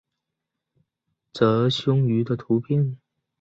褶胸鱼的图片